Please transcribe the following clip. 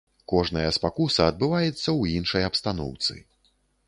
Кожная спакуса адбываецца ў іншай абстаноўцы.